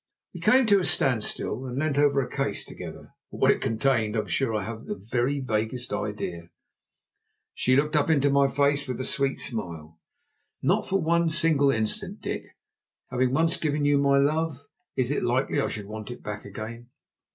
We came to a standstill, and leant over a case together, but what it contained I'm sure I haven't the very vaguest idea. She looked up into my face with a sweet smile. "Not for one single instant, Dick! Having once given you my love, is it likely I should want it back again?"